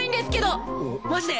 マジで？